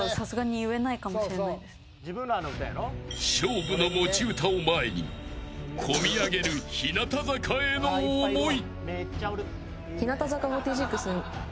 勝負の持ち歌を前にこみあげる日向坂への思い。